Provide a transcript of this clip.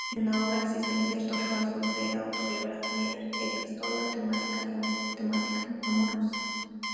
En la obra existen ciertos rasgos de autobiografía, epístola y temática amorosa.